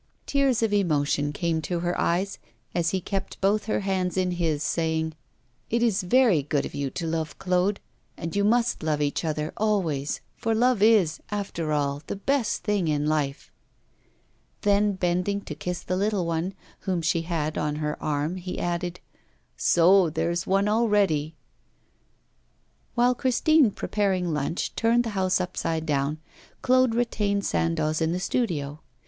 Tears of emotion came to her eyes as he kept both her hands in his, saying: 'It is very good of you to love Claude, and you must love each other always, for love is, after all, the best thing in life.' Then, bending to kiss the little one, whom she had on her arm, he added: 'So there's one already!' While Christine, preparing lunch, turned the house up side down, Claude retained Sandoz in the studio.